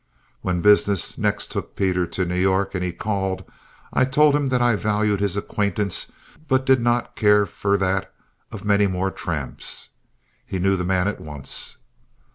When "business" next took Peter to New York and he called, I told him that I valued his acquaintance, but did not care for that of many more tramps. He knew the man at once.